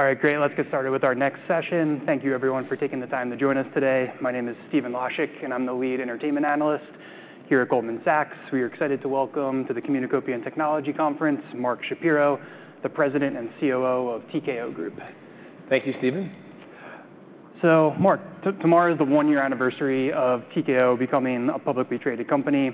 All right, great. Let's get started with our next session. Thank you, everyone, for taking the time to join us today. My name is Stephen Laszczyk, and I'm the lead entertainment analyst here at Goldman Sachs. We are excited to welcome to the Communicopian & Technology Conference, Mark Shapiro, the President and COO of TKO Group. Thank you, Stephen. So Mark, tomorrow is the one-year anniversary of TKO becoming a publicly traded company.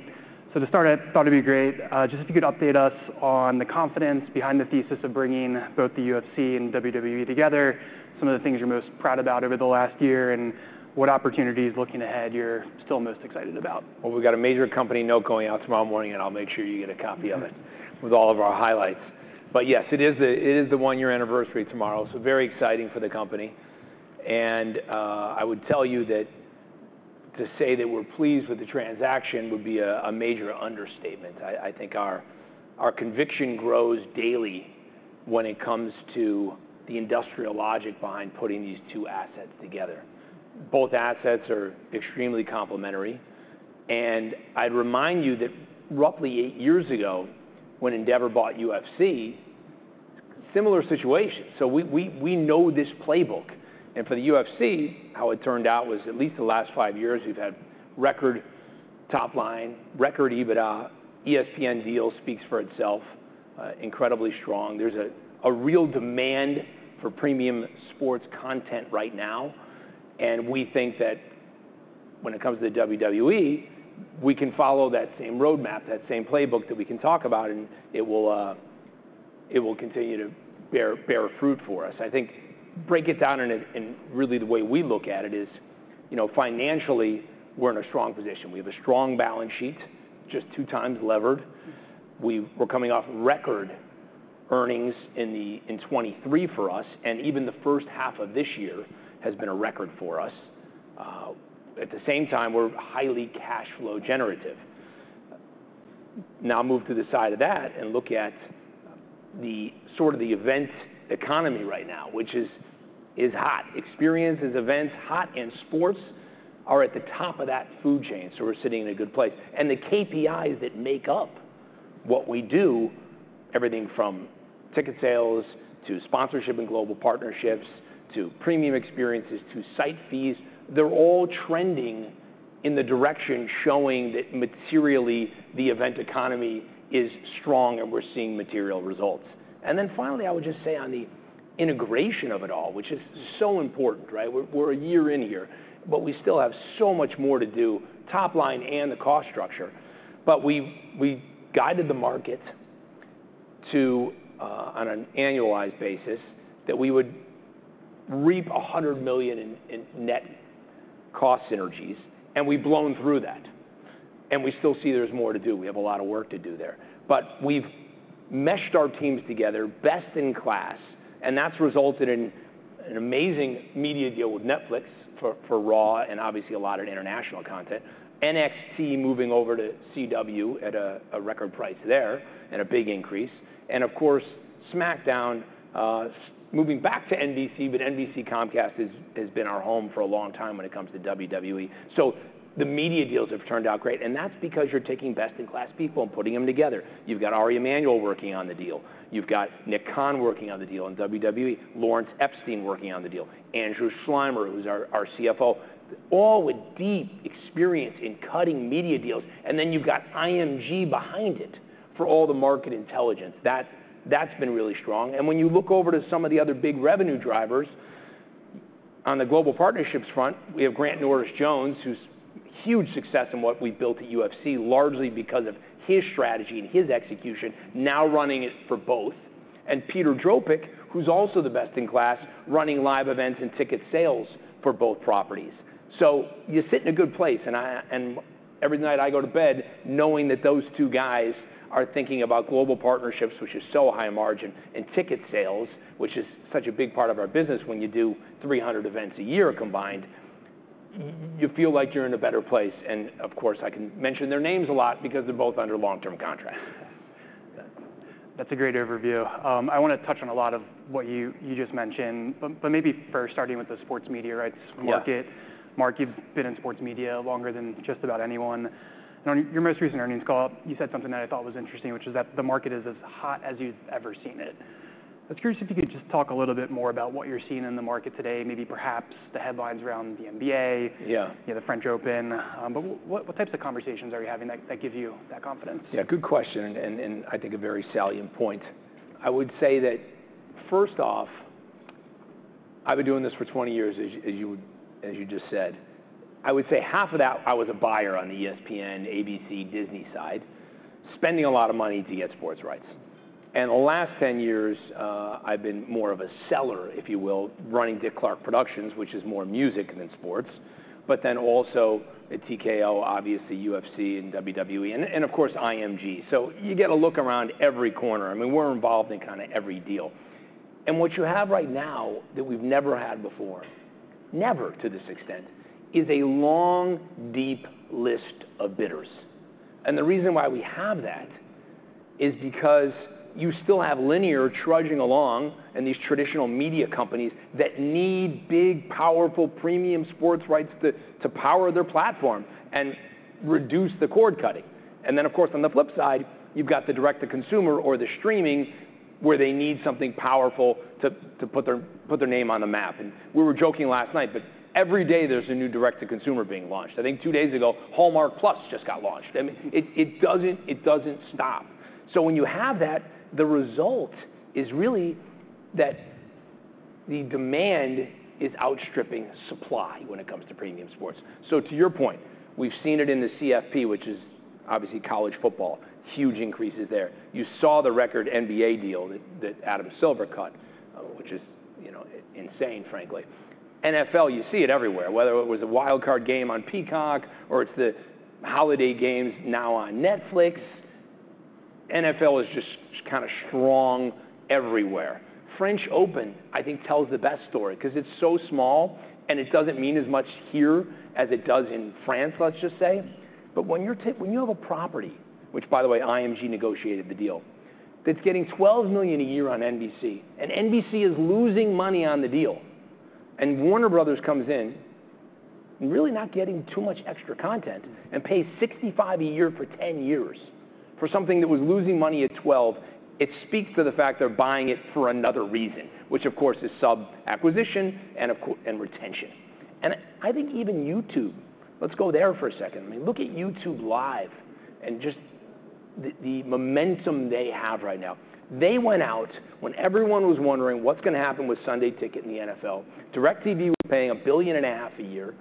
So to start out, I thought it'd be great, just if you could update us on the confidence behind the thesis of bringing both the UFC and WWE together, some of the things you're most proud about over the last year, and what opportunities, looking ahead, you're still most excited about. We've got a major company note going out tomorrow morning, and I'll make sure you get a copy of it with all of our highlights. But yes, it is the one-year anniversary tomorrow, so very exciting for the company. And I would tell you that to say that we're pleased with the transaction would be a major understatement. I think our conviction grows daily when it comes to the industrial logic behind putting these two assets together. Both assets are extremely complementary, and I'd remind you that roughly eight years ago, when Endeavor bought UFC, similar situation, so we know this playbook. And for the UFC, how it turned out was, at least the last five years, we've had record top line, record EBITDA. ESPN deal speaks for itself, incredibly strong. There's a real demand for premium sports content right now, and we think that when it comes to the WWE, we can follow that same roadmap, that same playbook that we can talk about, and it will continue to bear fruit for us. I think break it down, and really the way we look at it is, you know, financially, we're in a strong position. We have a strong balance sheet, just two times levered. We're coming off record earnings in 2023 for us, and even the first half of this year has been a record for us. At the same time, we're highly cash flow generative. Now move to the side of that and look at the event economy right now, which is hot. Experiences, events, hot, and sports are at the top of that food chain, so we're sitting in a good place. And the KPIs that make up what we do, everything from ticket sales to sponsorship and global partnerships to premium experiences to site fees, they're all trending in the direction, showing that materially, the event economy is strong, and we're seeing material results. And then finally, I would just say on the integration of it all, which is so important, right? We're, we're a year in here, but we still have so much more to do, top line and the cost structure. But we've, we've guided the market to, on an annualized basis, that we would reap $100 million in, in net cost synergies, and we've blown through that, and we still see there's more to do. We have a lot of work to do there. But we've meshed our teams together, best in class, and that's resulted in an amazing media deal with Netflix for Raw, and obviously a lot of international content. NXT moving over to CW at a record price there and a big increase. And of course, SmackDown moving back to NBC, but NBC Comcast has been our home for a long time when it comes to WWE. So the media deals have turned out great, and that's because you're taking best-in-class people and putting them together. You've got Ari Emanuel working on the deal. You've got Nick Khan working on the deal on WWE, Lawrence Epstein working on the deal, Andrew Schleimer, who's our CFO, all with deep experience in cutting media deals. And then you've got IMG behind it for all the market intelligence. That's been really strong. When you look over to some of the other big revenue drivers, on the global partnerships front, we have Grant Norris-Jones, whose huge success in what we've built at UFC, largely because of his strategy and his execution, now running it for both, and Peter Dropick, who's also the best in class, running live events and ticket sales for both properties. You sit in a good place, and I, and every night I go to bed knowing that those two guys are thinking about global partnerships, which is so high margin, and ticket sales, which is such a big part of our business when you do 300 events a year combined. You feel like you're in a better place. Of course, I can mention their names a lot because they're both under long-term contracts. That's a great overview. I wanna touch on a lot of what you just mentioned, but maybe first starting with the sports media rights market. Yeah. Mark, you've been in sports media longer than just about anyone. On your most recent earnings call, you said something that I thought was interesting, which is that the market is as hot as you've ever seen it. I was curious if you could just talk a little bit more about what you're seeing in the market today, maybe perhaps the headlines around the NBA? Yeah... yeah, the French Open, but what types of conversations are you having that give you that confidence? Yeah, good question, and I think a very salient point. I would say that, first off, I've been doing this for 20 years, as you just said. I would say half of that, I was a buyer on the ESPN, ABC, Disney side, spending a lot of money to get sports rights. And the last 10 years, I've been more of a seller, if you will, running Dick Clark Productions, which is more music than sports, but then also at TKO, obviously, UFC and WWE, and of course, IMG. So you get a look around every corner. I mean, we're involved in kind of every deal. And what you have right now that we've never had before, never to this extent, is a long, deep list of bidders. The reason why we have that is because you still have linear trudging along and these traditional media companies that need big, powerful premium sports rights to power their platform and reduce the cord-cutting. And then, of course, on the flip side, you've got the direct-to-consumer or the streaming where they need something powerful to put their name on the map. And we were joking last night, but every day there's a newdirect-to-consumer being launched. I think two days ago, Hallmark+ just got launched, and it doesn't stop. So when you have that, the result is really that the demand is outstripping supply when it comes to premium sports. So to your point, we've seen it in the CFP, which is obviously college football, huge increases there. You saw the record NBA deal that Adam Silver cut, which is, you know, insane, frankly. NFL, you see it everywhere, whether it was a wild card game on Peacock or it's the holiday games now on Netflix. NFL is just kind of strong everywhere. French Open, I think tells the best story because it's so small, and it doesn't mean as much here as it does in France, let's just say. But when you have a property, which, by the way, IMG negotiated the deal, that's getting $12 million a year on NBC, and NBC is losing money on the deal, and Warner Bros. comes in, really not getting too much extra content, and pays $65 million a year for 10 years for something that was losing money at $12 million, it speaks to the fact they're buying it for another reason, which of course, is subscriber acquisition and retention. And I think even YouTube... Let's go there for a second. I mean, look at YouTube Live and just the momentum they have right now. They went out when everyone was wondering, "What's going to happen with Sunday Ticket in the NFL?" DIRECTV was paying $1.5 billion a year,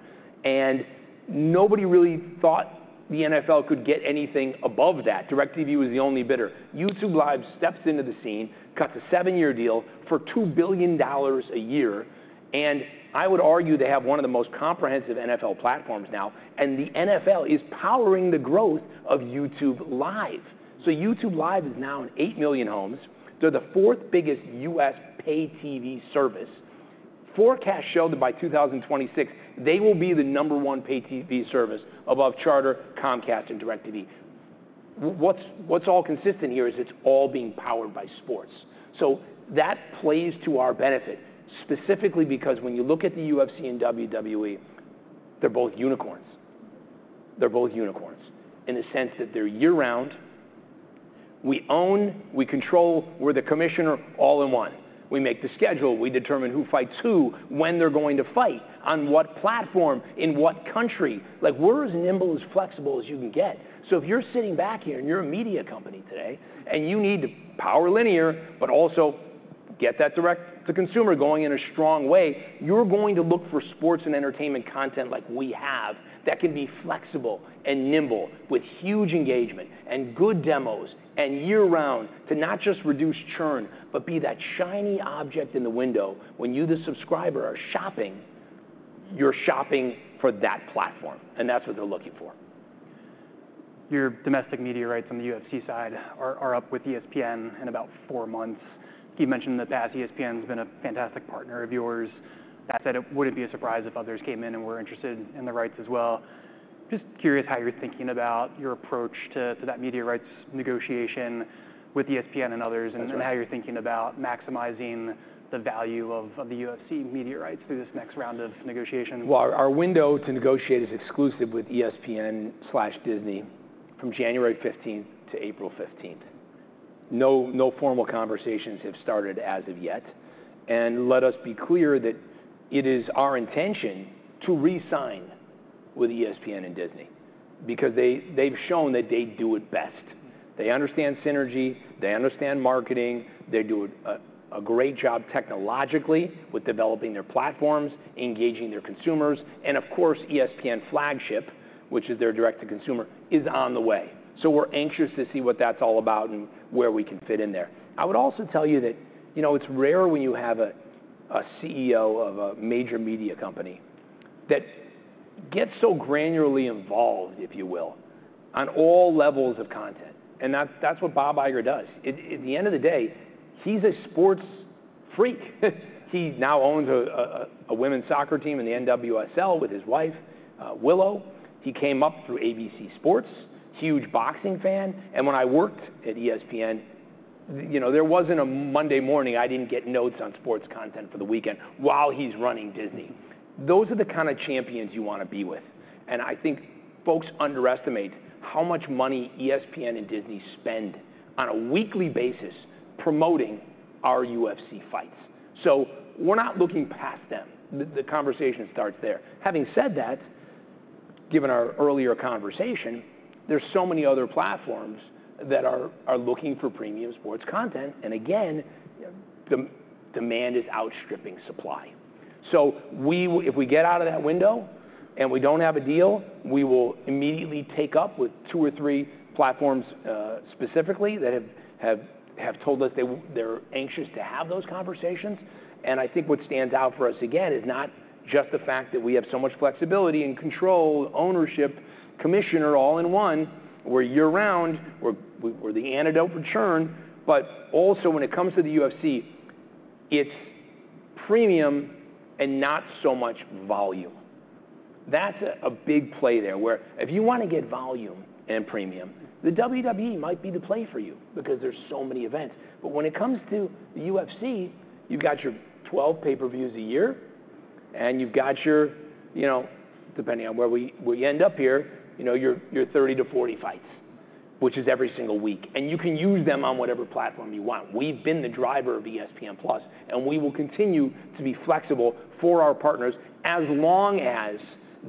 and nobody really thought the NFL could get anything above that. DIRECTV was the only bidder. YouTube TV steps into the scene, cuts a seven-year deal for $2 billion a year, and I would argue they have one of the most comprehensive NFL platforms now, and the NFL is powering the growth of YouTube TV. So YouTube TV is now in eight million homes. They're the fourth biggest U.S. paid TV service. Forecasts show that by 2026, they will be the number one paid TV service above Charter, Comcast, and DIRECTV. What's all consistent here is it's all being powered by sports. So that plays to our benefit, specifically because when you look at the UFC and WWE, they're both unicorns. They're both unicorns in the sense that they're year-round. We own, we control, we're the commissioner all-in-one. We make the schedule, we determine who fights who, when they're going to fight, on what platform, in what country. Like, we're as nimble, as flexible as you can get. So if you're sitting back here and you're a media company today, and you need to power linear, but also get that direct-to-consumer going in a strong way, you're going to look for sports and entertainment content like we have that can be flexible and nimble, with huge engagement and good demos and year-round, to not just reduce churn, but be that shiny object in the window when you, the subscriber, are shopping, you're shopping for that platform, and that's what they're looking for. Your domestic media rights on the UFC side are up with ESPN in about four months. You mentioned in the past, ESPN's been a fantastic partner of yours. That said, it wouldn't be a surprise if others came in and were interested in the rights as well. Just curious how you're thinking about your approach to that media rights negotiation with ESPN and others? That's right. and how you're thinking about maximizing the value of the UFC media rights through this next round of negotiations. Our window to negotiate is exclusive with ESPN/Disney, from January 15th to April 15th. No, no formal conversations have started as of yet, and let us be clear that it is our intention to re-sign with ESPN and Disney because they- they've shown that they do it best. They understand synergy, they understand marketing, they do a great job technologically with developing their platforms, engaging their consumers, and of course, ESPN flagship, which is their direct to consumer, is on the way. So we're anxious to see what that's all about and where we can fit in there. I would also tell you that, you know, it's rare when you have a CEO of a major media company that gets so granularly involved, if you will, on all levels of content, and that's what Bob Iger does. At the end of the day, he's a sports freak. He now owns a women's soccer team in the NWSL with his wife, Willow. He came up through ABC Sports, huge boxing fan, and when I worked at ESPN, you know, there wasn't a Monday morning I didn't get notes on sports content for the weekend while he's running Disney. Those are the kind of champions you want to be with, and I think folks underestimate how much money ESPN and Disney spend on a weekly basis promoting our UFC fights. So we're not looking past them. The conversation starts there. Having said that, given our earlier conversation, there's so many other platforms that are looking for premium sports content, and again, the demand is outstripping supply. If we get out of that window and we don't have a deal, we will immediately take up with two or three platforms, specifically, that have told us they're anxious to have those conversations. I think what stands out for us, again, is not just the fact that we have so much flexibility and control, ownership, commissioner all-in-one. We're year-round, we're the antidote for churn, but also when it comes to the UFC, it's premium and not so much volume. That's a big play there, where if you want to get volume and premium, the WWE might be the play for you because there's so many events. When it comes to the UFC, you've got your twelve pay-per-views a year... And you've got your, you know, depending on where we end up here, you know, your 30-40 fights, which is every single week, and you can use them on whatever platform you want. We've been the driver of ESPN+, and we will continue to be flexible for our partners as long as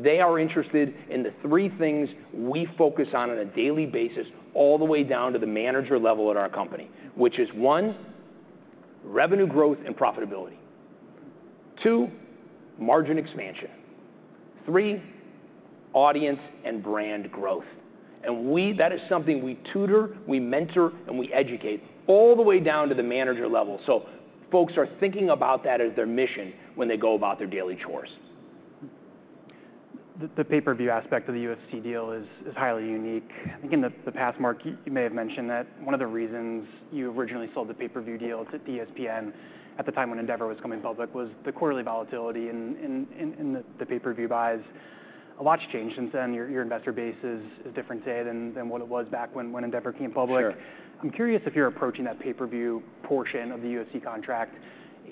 they are interested in the three things we focus on, on a daily basis, all the way down to the manager level at our company, which is, one, revenue growth and profitability. Two, margin expansion. Three, audience and brand growth. And that is something we tutor, we mentor, and we educate all the way down to the manager level. So folks are thinking about that as their mission when they go about their daily chores. The pay-per-view aspect of the UFC deal is highly unique. I think in the past, Mark, you may have mentioned that one of the reasons you originally sold the pay-per-view deals to ESPN at the time when Endeavor was coming public was the quarterly volatility in the pay-per-view buys. A lot's changed since then. Your investor base is different today than what it was back when Endeavor came public. Sure. I'm curious if you're approaching that pay-per-view portion of the UFC contract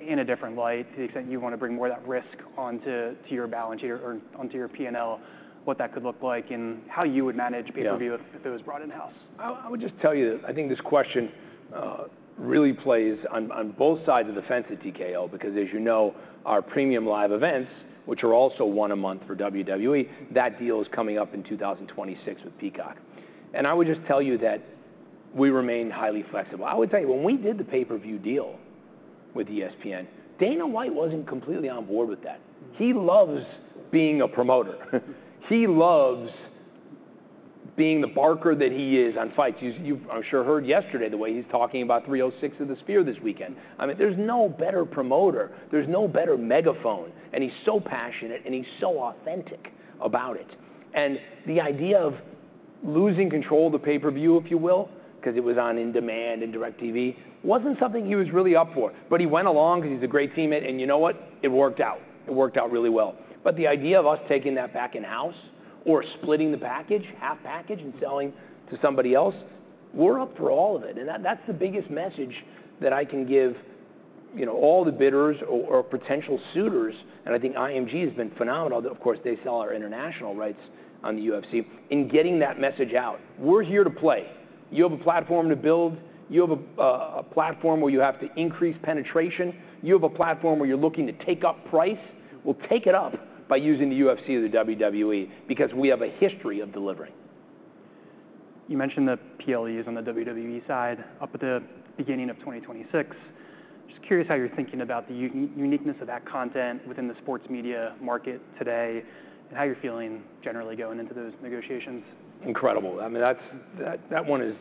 in a different light, to the extent you wanna bring more of that risk onto your balance sheet or onto your P&L, what that could look like, and how you would manage pay-per-view- Yeah if it was brought in-house? I would just tell you this. I think this question really plays on both sides of the fence at TKO, because, as you know, our premium live events, which are also one a month for WWE, that deal is coming up in 2026 with Peacock. And I would just tell you that we remain highly flexible. I would tell you, when we did the pay-per-view deal with ESPN, Dana White wasn't completely on board with that. He loves being a promoter. He loves being the barker that he is on fights. You've, I'm sure, heard yesterday, the way he's talking about 306 at the Sphere this weekend. I mean, there's no better promoter, there's no better megaphone, and he's so passionate, and he's so authentic about it. And the idea of losing control of the pay-per-view, if you will, 'cause it was on On Demand and DIRECTV, wasn't something he was really up for, but he went along because he's a great teammate, and you know what? It worked out. It worked out really well, but the idea of us taking that back in-house or splitting the package, half package, and selling to somebody else, we're up for all of it. And that, that's the biggest message that I can give, you know, all the bidders or, or potential suitors, and I think IMG has been phenomenal, though, of course, they sell our international rights on the UFC, in getting that message out. We're here to play. You have a platform to build, you have a platform where you have to increase penetration, you have a platform where you're looking to take up price, well, take it up by using the UFC or the WWE, because we have a history of delivering. You mentioned the PLEs on the WWE side, up at the beginning of 2026. Just curious how you're thinking about the uniqueness of that content within the sports media market today, and how you're feeling generally going into those negotiations? Incredible. I mean, that's one.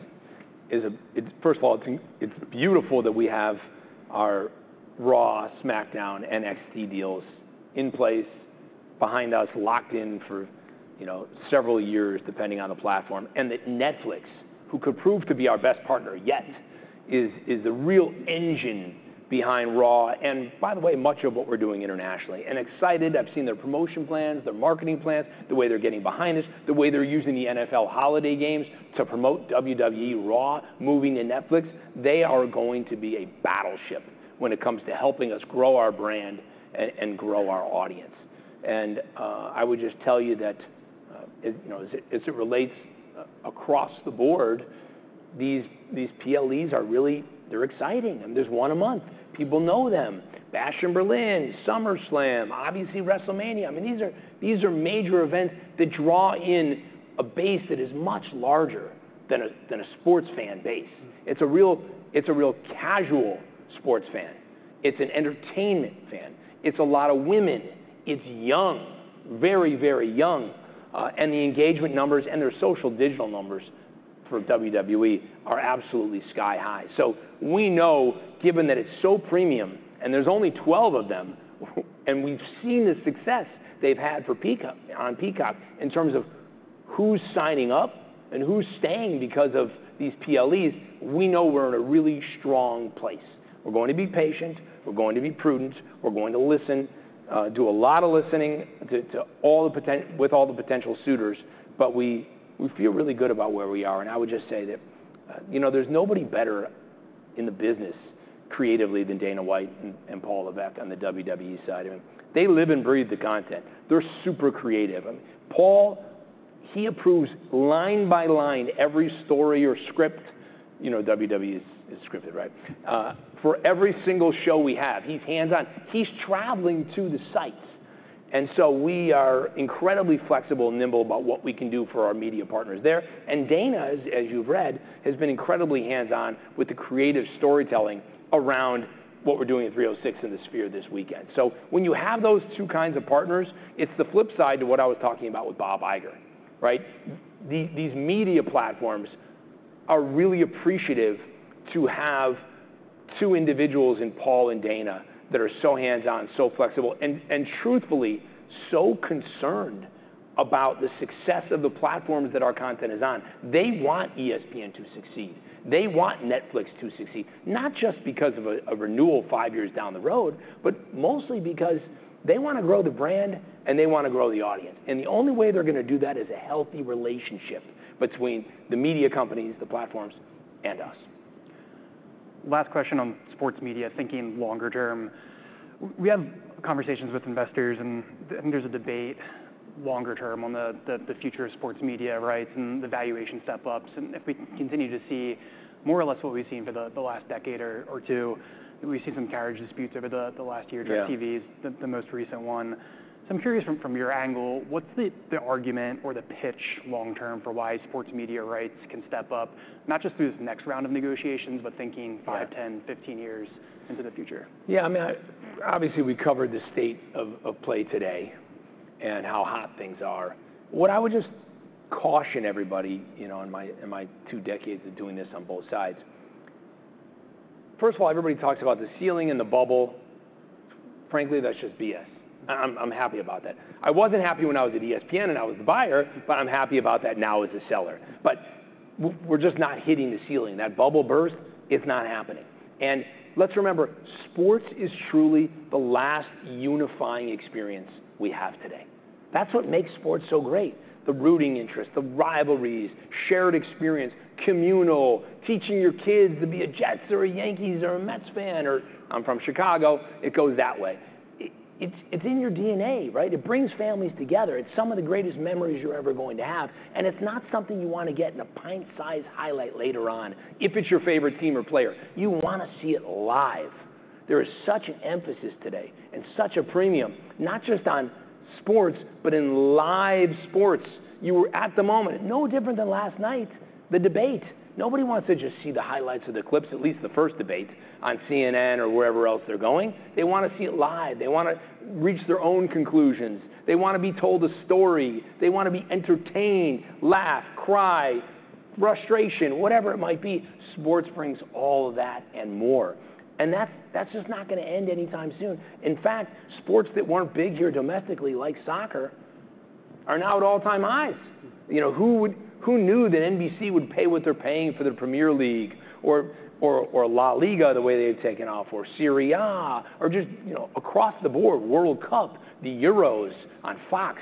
It's first of all, it's beautiful that we have our Raw, SmackDown, NXT deals in place behind us, locked in for, you know, several years, depending on the platform. That Netflix, who could prove to be our best partner yet, is the real engine behind Raw, and by the way, much of what we're doing internationally. I've seen their promotion plans, their marketing plans, the way they're getting behind us, the way they're using the NFL holiday games to promote WWE Raw, moving to Netflix. They are going to be a battleship when it comes to helping us grow our brand and grow our audience. I would just tell you that, you know, as it relates across the board, these PLEs are really... They're exciting, and there's one a month. People know them. Bash in Berlin, SummerSlam, obviously WrestleMania. I mean, these are major events that draw in a base that is much larger than a sports fan base. It's a real casual sports fan. It's an entertainment fan. It's a lot of women. It's young, very, very young. And the engagement numbers and their social digital numbers for WWE are absolutely sky high. So we know, given that it's so premium and there's only 12 of them, and we've seen the success they've had for Peacock—on Peacock, in terms of who's signing up and who's staying because of these PLEs, we know we're in a really strong place. We're going to be patient, we're going to be prudent, we're going to listen, do a lot of listening to all the potential suitors, but we feel really good about where we are. And I would just say that, you know, there's nobody better in the business creatively than Dana White and Paul Levesque on the WWE side of it. They live and breathe the content. They're super creative. And Paul, he approves line by line, every story or script, you know, WWE is scripted, right? For every single show we have, he's hands-on. He's traveling to the sites. And so we are incredibly flexible and nimble about what we can do for our media partners there. Dana, as you've read, has been incredibly hands-on with the creative storytelling around what we're doing at 306 in the Sphere this weekend. When you have those two kinds of partners, it's the flip side to what I was talking about with Bob Iger, right? These media platforms are really appreciative to have two individuals in Paul and Dana that are so hands-on and so flexible, and truthfully, so concerned about the success of the platforms that our content is on. They want ESPN to succeed. They want Netflix to succeed, not just because of a renewal five years down the road, but mostly because they wanna grow the brand, and they wanna grow the audience. The only way they're gonna do that is a healthy relationship between the media companies, the platforms, and us.... Last question on sports media, thinking longer term. We have conversations with investors, and I think there's a debate longer term on the future of sports media, right? And the valuation step-ups, and if we continue to see more or less what we've seen for the last decade or two. We've seen some carriage disputes over the last year- Yeah TVs, the most recent one. So I'm curious from your angle, what's the argument or the pitch long term for why sports media rights can step up, not just through this next round of negotiations, but thinking- Yeah - five, 10, 15 years into the future? Yeah, I mean, obviously, we covered the state of play today and how hot things are. What I would just caution everybody, you know, in my two decades of doing this on both sides. First of all, everybody talks about the ceiling and the bubble. Frankly, that's just BS. I'm happy about that. I wasn't happy when I was at ESPN and I was the buyer, but I'm happy about that now as a seller. But we're just not hitting the ceiling. That bubble burst, it's not happening. And let's remember, sports is truly the last unifying experience we have today. That's what makes sports so great, the rooting interest, the rivalries, shared experience, communal, teaching your kids to be a Jets or a Yankees or a Mets fan, or I'm from Chicago, it goes that way. It's in your DNA, right? It brings families together. It's some of the greatest memories you're ever going to have, and it's not something you want to get in a pint-sized highlight later on if it's your favorite team or player. You want to see it live. There is such an emphasis today and such a premium, not just on sports, but in live sports. You are at the moment, no different than last night, the debate. Nobody wants to just see the highlights of the clips, at least the first debate, on CNN or wherever else they're going. They want to see it live. They want to reach their own conclusions. They want to be told a story. They want to be entertained, laugh, cry, frustration, whatever it might be. Sports brings all of that and more, and that's, that's just not going to end anytime soon. In fact, sports that weren't big here domestically, like soccer, are now at all-time highs. You know, who knew that NBC would pay what they're paying for the Premier League or LaLiga, the way they've taken off, or Serie A, or just, you know, across the board, World Cup, the Euros on Fox,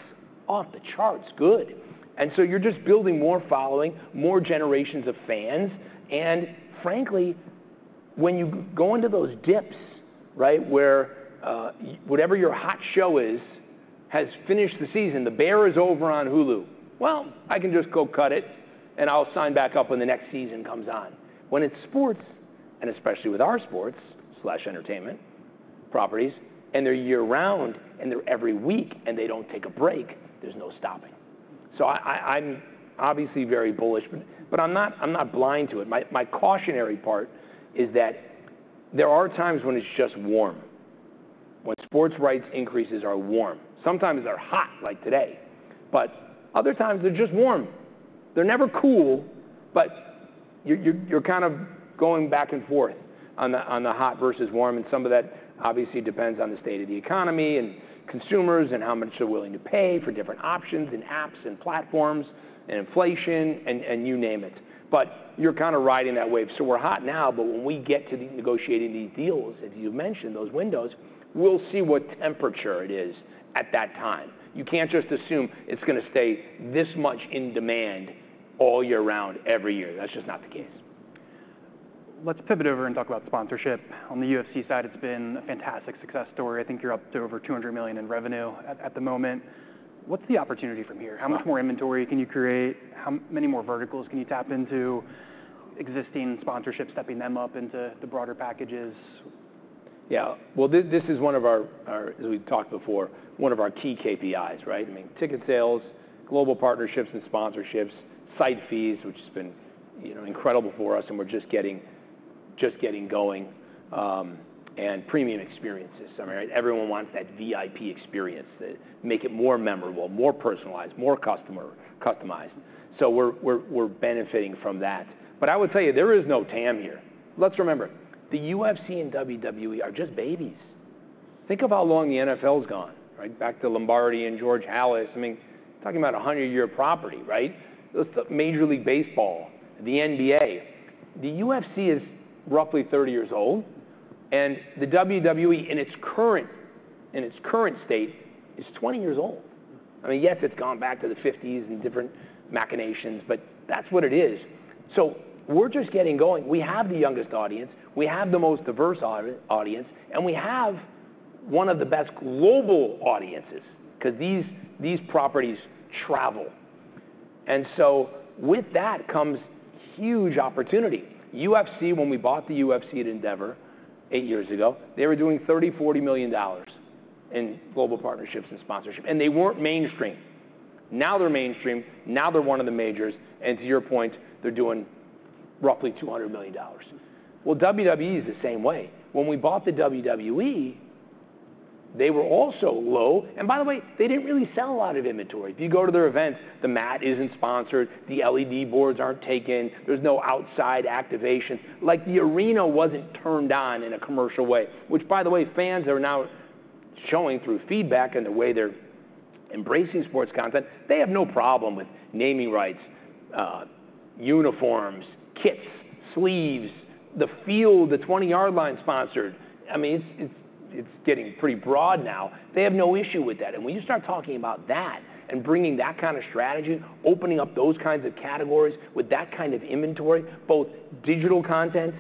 off the charts good. And so you're just building more following, more generations of fans, and frankly, when you go into those dips, right, where whatever your hot show is has finished the season, The Bear is over on Hulu. Well, I can just go cut it, and I'll sign back up when the next season comes on. When it's sports, and especially with our sports/entertainment properties, and they're year-round, and they're every week, and they don't take a break, there's no stopping. So I'm obviously very bullish, but I'm not blind to it. My cautionary part is that there are times when it's just warm, when sports rights increases are warm. Sometimes they're hot like today, but other times they're just warm. They're never cool, but you're kind of going back and forth on the hot versus warm, and some of that obviously depends on the state of the economy and consumers and how much they're willing to pay for different options and apps and platforms and inflation and you name it. But you're kind of riding that wave. So we're hot now, but when we get to negotiating these deals, as you mentioned, those windows, we'll see what temperature it is at that time. You can't just assume it's gonna stay this much in demand all year round, every year. That's just not the case. Let's pivot over and talk about sponsorship. On the UFC side, it's been a fantastic success story. I think you're up to over $200 million in revenue at the moment. What's the opportunity from here? How much more inventory can you create? How many more verticals can you tap into? Existing sponsorships, stepping them up into the broader packages? Yeah. Well, this is one of our, as we've talked before, one of our key KPIs, right? I mean, ticket sales, global partnerships and sponsorships, site fees, which has been incredible for us, and we're just getting going, and premium experiences. I mean, everyone wants that VIP experience, that make it more memorable, more personalized, more customer customized. So we're benefiting from that. But I would tell you, there is no TAM here. Let's remember, the UFC and WWE are just babies. Think of how long the NFL's gone, right? Back to Lombardi and George Halas. I mean, talking about a 100-year property, right? Major League Baseball, the NBA. The UFC is roughly 30 years old, and the WWE, in its current state, is 20 years old. I mean, yes, it's gone back to the fifties and different machinations, but that's what it is. So we're just getting going. We have the youngest audience, we have the most diverse audience, and we have one of the best global audiences because these properties travel. And so with that comes huge opportunity. UFC, when we bought the UFC at Endeavor eight years ago, they were doing $30 million-$40 million in global partnerships and sponsorship, and they weren't mainstream. Now they're mainstream, now they're one of the majors, and to your point, they're doing roughly $200 million. Well, WWE is the same way. When we bought the WWE, they were also low, and by the way, they didn't really sell a lot of inventory. If you go to their events, the mat isn't sponsored, the LED boards aren't taken, there's no outside activation. Like, the arena wasn't turned on in a commercial way, which, by the way, fans are now showing through feedback and the way they're embracing sports content, they have no problem with naming rights, uniforms, kits, sleeves, the field, the twenty-yard line sponsored. I mean, it's getting pretty broad now. They have no issue with that, and when you start talking about that and bringing that kind of strategy, opening up those kinds of categories with that kind of inventory, both digital content,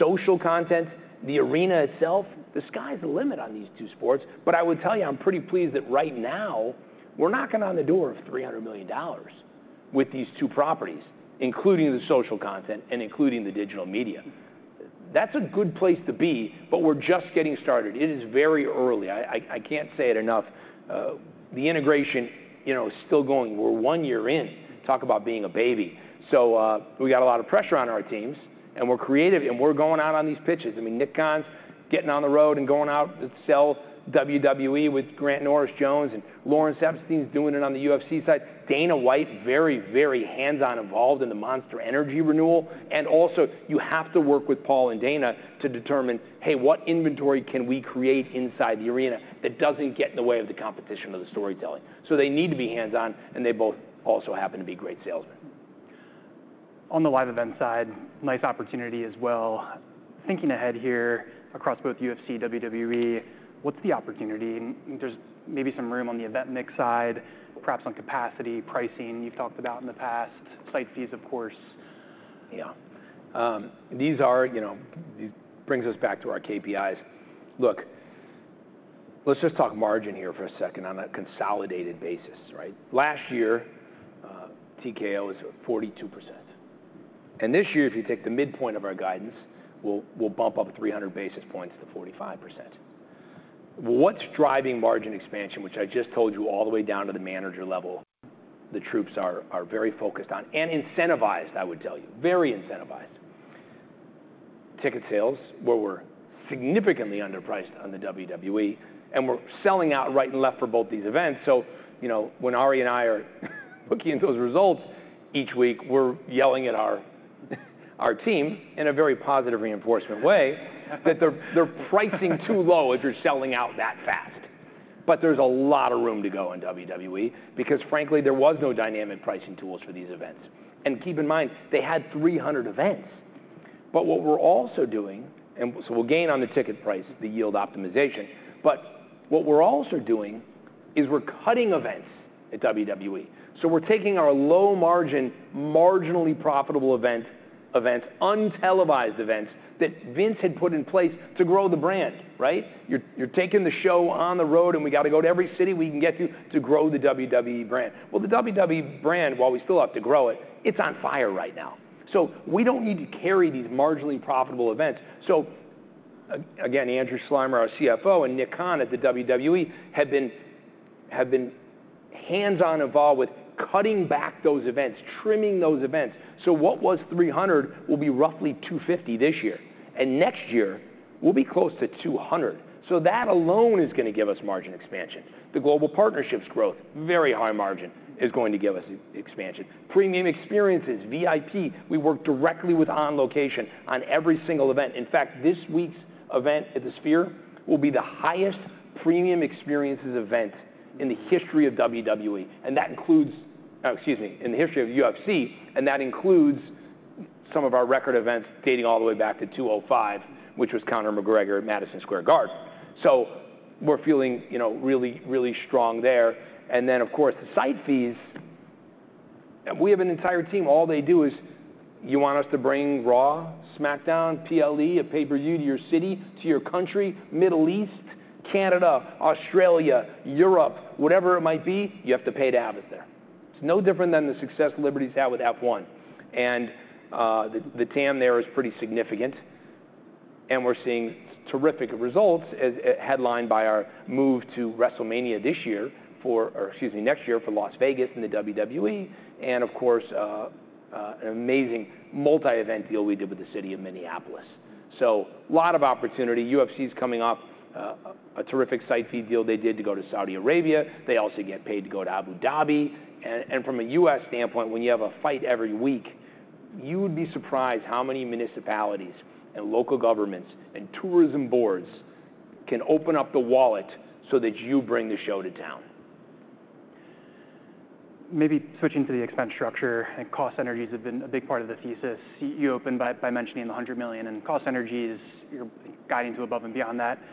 social content, the arena itself, the sky's the limit on these two sports. But I would tell you, I'm pretty pleased that right now we're knocking on the door of $300 million with these two properties, including the social content and including the digital media. That's a good place to be, but we're just getting started. It is very early. I can't say it enough. The integration, you know, is still going. We're one year in. Talk about being a baby. So, we got a lot of pressure on our teams, and we're creative, and we're going out on these pitches. I mean, Nick Khan's getting on the road and going out to sell WWE with Grant Norris-Jones, and Lawrence Epstein's doing it on the UFC side. Dana White, very, very hands-on involved in the Monster Energy renewal, and also, you have to work with Paul and Dana to determine, hey, what inventory can we create inside the arena that doesn't get in the way of the competition or the storytelling? So they need to be hands-on, and they both also happen to be great salesmen. On the live event side, nice opportunity as well. Thinking ahead here across both UFC, WWE, what's the opportunity? There's maybe some room on the event mix side, perhaps on capacity, pricing, you've talked about in the past, site fees, of course. Yeah. These are, you know, it brings us back to our KPIs. Look, let's just talk margin here for a second on a consolidated basis, right? Last year, TKO was at 42%, and this year, if you take the midpoint of our guidance, we'll bump up 300 basis points to 45%. What's driving margin expansion, which I just told you all the way down to the manager level, the troops are very focused on and incentivized, I would tell you, very incentivized. Ticket sales, where we're significantly underpriced on the WWE, and we're selling out right and left for both these events. So, you know, when Ari and I are looking at those results each week, we're yelling at our team in a very positive reinforcement way that they're pricing too low if you're selling out that fast. There's a lot of room to go in WWE because frankly, there was no dynamic pricing tools for these events. Keep in mind, they had 300 events. What we're also doing is we'll gain on the ticket price, the yield optimization. But what we're also doing is we're cutting events at WWE. So we're taking our low margin, marginally profitable events, untelevised events that Vince had put in place to grow the brand, right? You're taking the show on the road, and we got to go to every city we can get to, to grow the WWE brand. The WWE brand, while we still have to grow it, it's on fire right now, so we don't need to carry these marginally profitable events. Andrew Schleimer, our CFO, and Nick Khan at the WWE, have been hands-on involved with cutting back those events, trimming those events. What was 300 will be roughly 250 this year, and next year, we'll be close to 200. That alone is gonna give us margin expansion. The global partnerships growth, very high margin, is going to give us expansion. Premium experiences, VIP, we work directly with On Location on every single event. In fact, this week's event at the Sphere will be the highest premium experiences event in the history of WWE, and that includes in the history of UFC, and that includes some of our record events dating all the way back to 2005, which was Conor McGregor at Madison Square Garden. So we're feeling, you know, really, really strong there, and then, of course, the site fees. We have an entire team. All they do is, "You want us to bring Raw, SmackDown, PLE, a pay-per-view to your city, to your country, Middle East, Canada, Australia, Europe, whatever it might be, you have to pay to have it there." It's no different than the success Liberty's had with F1. And, the, the TAM there is pretty significant, and we're seeing terrific results as, headlined by our move to WrestleMania this year for, or excuse me, next year for Las Vegas and the WWE, and of course, an amazing multi-event deal we did with the city of Minneapolis. So a lot of opportunity. UFC's coming off, a terrific site fee deal they did to go to Saudi Arabia. They also get paid to go to Abu Dhabi, and from a U.S. standpoint, when you have a fight every week, you would be surprised how many municipalities and local governments and tourism boards can open up the wallet so that you bring the show to town. Maybe switching to the expense structure and cost synergies have been a big part of the thesis. You opened by mentioning the $100 million in cost synergies; you're guiding to above and beyond that. At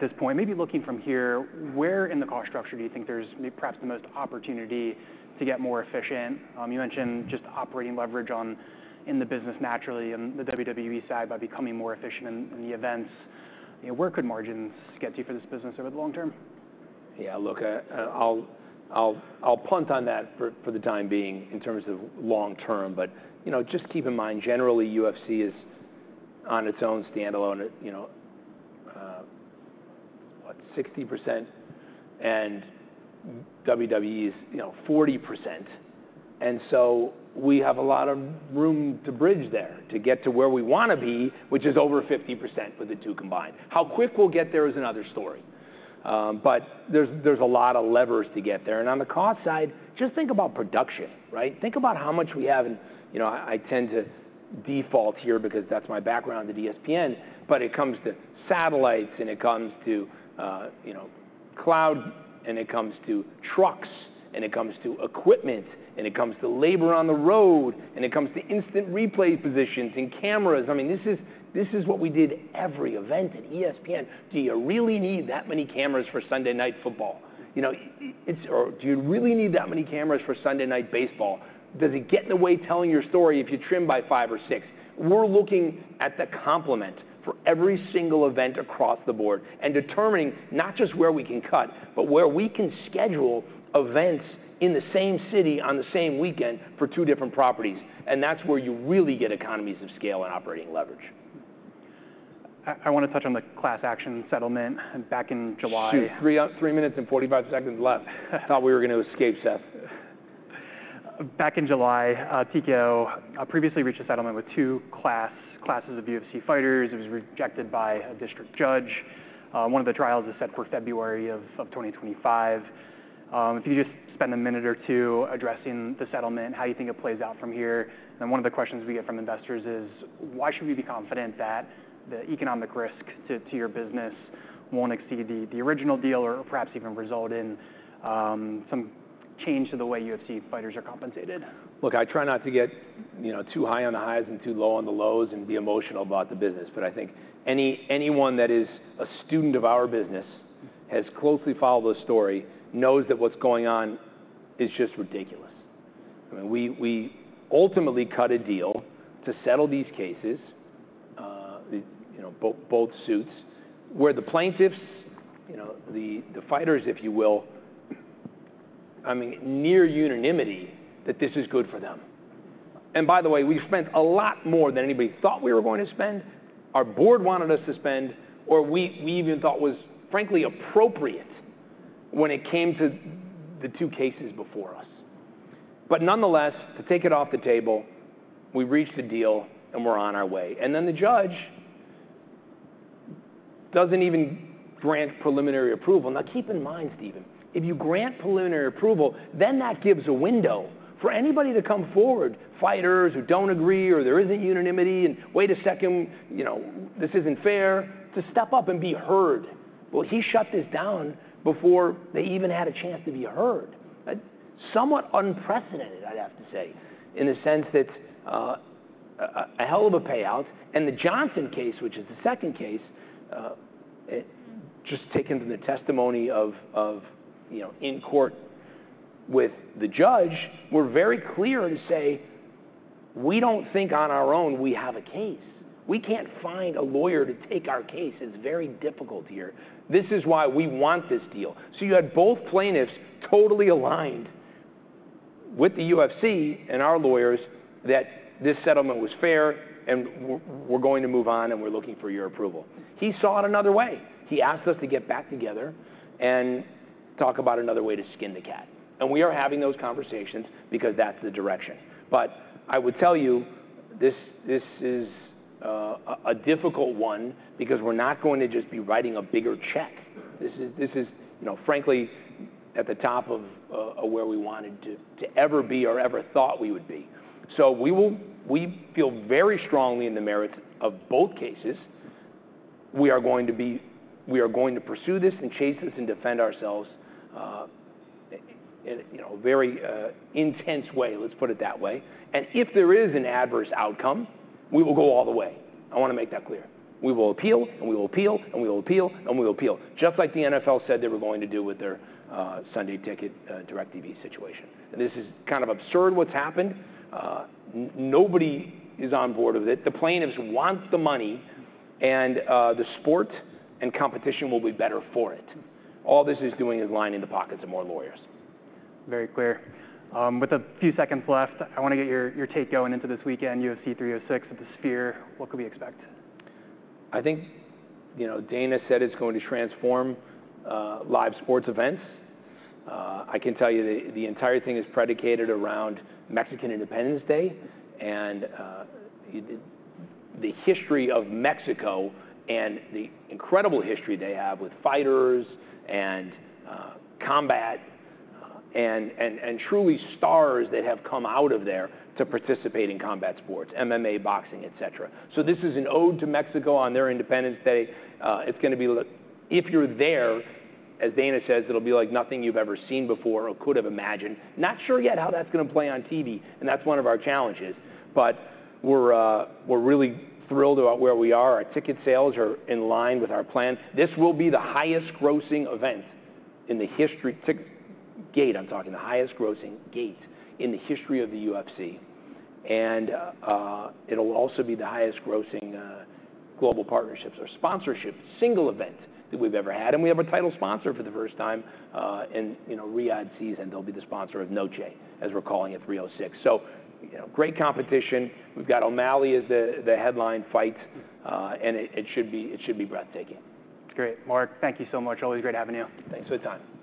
this point, maybe looking from here, where in the cost structure do you think there's perhaps the most opportunity to get more efficient? You mentioned just operating leverage in the business naturally, and the WWE side, by becoming more efficient in the events. You know, where could margins get to for this business over the long term? Yeah, look, I'll punt on that for the time being in terms of long term, but, you know, just keep in mind, generally, UFC is on its own standalone, you know, what? 60%, and WWE is, you know, 40%, and so we have a lot of room to bridge there to get to where we wanna be, which is over 50% for the two combined. How quick we'll get there is another story, but there's a lot of levers to get there. And on the cost side, just think about production, right? Think about how much we have, and, you know, I tend to default here because that's my background at ESPN, but it comes to satellites, and it comes to, you know-... cloud, and it comes to trucks, and it comes to equipment, and it comes to labor on the road, and it comes to instant replay positions and cameras. I mean, this is, this is what we did every event at ESPN. Do you really need that many cameras for Sunday Night Football? You know, or do you really need that many cameras for Sunday Night Baseball? Does it get in the way of telling your story if you trim by five or six? We're looking at the complement for every single event across the board and determining not just where we can cut, but where we can schedule events in the same city on the same weekend for two different properties, and that's where you really get economies of scale and operating leverage. I wanna touch on the class action settlement back in July. Shoot! Three, three minutes and forty-five seconds left. I thought we were gonna escape, Seth. Back in July, TKO previously reached a settlement with two classes of UFC fighters. It was rejected by a district judge. One of the trials is set for February of 2025. If you just spend a minute or two addressing the settlement, how you think it plays out from here? And one of the questions we get from investors is, why should we be confident that the economic risk to your business won't exceed the original deal or perhaps even result in some change to the way UFC fighters are compensated? Look, I try not to get, you know, too high on the highs and too low on the lows and be emotional about the business, but I think anyone that is a student of our business, has closely followed the story, knows that what's going on is just ridiculous. I mean, we ultimately cut a deal to settle these cases, you know, both suits, where the plaintiffs, you know, the fighters, if you will, I mean, near unanimity, that this is good for them. And by the way, we spent a lot more than anybody thought we were going to spend, our board wanted us to spend, or we even thought was frankly appropriate when it came to the two cases before us. But nonetheless, to take it off the table, we reached a deal, and we're on our way. And then the judge doesn't even grant preliminary approval. Now, keep in mind, Stephen, if you grant preliminary approval, then that gives a window for anybody to come forward, fighters who don't agree, or there isn't unanimity, and wait a second, you know, this isn't fair, to step up and be heard. Well, he shut this down before they even had a chance to be heard. That's somewhat unprecedented, I'd have to say, in the sense that, a hell of a payout. And the Johnson case, which is the second case, just taking the testimony of, you know, in court with the judge, we're very clear to say, "We don't think on our own we have a case. We can't find a lawyer to take our case. It's very difficult here. This is why we want this deal." So you had both plaintiffs totally aligned with the UFC and our lawyers that this settlement was fair, and we're going to move on, and we're looking for your approval. He saw it another way. He asked us to get back together and talk about another way to skin the cat, and we are having those conversations because that's the direction. But I would tell you, this is a difficult one because we're not going to just be writing a bigger check. This is, you know, frankly, at the top of where we wanted to ever be or ever thought we would be. So we will. We feel very strongly in the merits of both cases. We are going to pursue this and chase this and defend ourselves, in a, you know, very intense way, let's put it that way. And if there is an adverse outcome, we will go all the way. I wanna make that clear. We will appeal, and we will appeal, and we will appeal, and we will appeal, just like the NFL said they were going to do with their Sunday Ticket DIRECTV situation. And this is kind of absurd what's happened. Nobody is on board with it. The plaintiffs want the money, and the sport and competition will be better for it. All this is doing is lining the pockets of more lawyers. Very clear. With a few seconds left, I wanna get your take going into this weekend, UFC 306 at the Sphere. What could we expect? I think, you know, Dana said it's going to transform live sports events. I can tell you the entire thing is predicated around Mexican Independence Day and the history of Mexico and the incredible history they have with fighters and combat and truly stars that have come out of there to participate in combat sports, MMA, boxing, et cetera. So this is an ode to Mexico on their Independence Day. It's gonna be... Look, if you're there, as Dana says, "It'll be like nothing you've ever seen before or could have imagined." Not sure yet how that's gonna play on TV, and that's one of our challenges, but we're really thrilled about where we are. Our ticket sales are in line with our plans. This will be the highest grossing event in the history, I'm talking, the highest grossing gate in the history of the UFC. And it'll also be the highest grossing global partnerships or sponsorship single event that we've ever had. And we have a title sponsor for the first time, and, you know, Riyadh Season, they'll be the sponsor of Noche, as we're calling it, 306. So, you know, great competition. We've got O'Malley as the headline fight, and it should be breathtaking. Great. Mark, thank you so much. Always great having you. Thanks for the time.